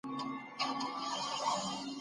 د امکاناتو سمه کارونه سياسي بريا تضمينوي.